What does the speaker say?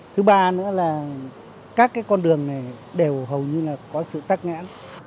thứ ba nữa là các con đường này đều hầu như là có sự tắt ngã